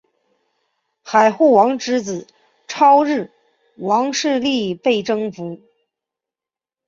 海护王之子超日王势力被征服。